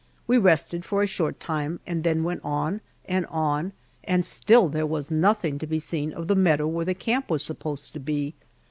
We rested for a short time and then went on and on, and still there was nothing to be seen of the meadow where the camp was supposed to be.